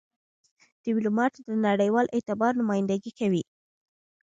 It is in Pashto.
ډيپلومات د نړېوال اعتبار نمایندګي کوي.